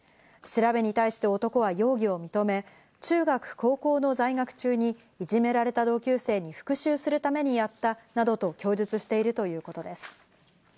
調べに対して男は容疑を認め、中学・高校の在学中にいじめられた同級生に復讐するためにやったなどと供述しているということです。